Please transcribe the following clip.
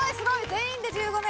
全員で１５年。